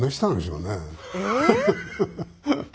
ハハハハ。